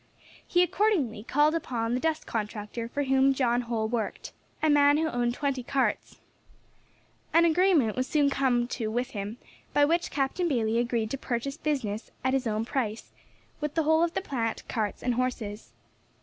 He accordingly called upon the dust contractor for whom John Holl worked, a man who owned twenty carts. An agreement was soon come to with him, by which Captain Bayley agreed to purchase his business at his own price, with the whole of the plant, carts, and horses.